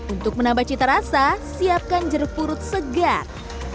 untuk menambah cita rasa siapkan jeruk purut segar